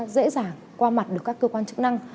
dễ dàng qua mặt được các cơ quan chức năng